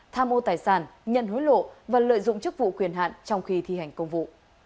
tham ô tài sản nhận hối lộ và lợi dụng chức vụ quyền hạn trong khi thi hành công vụ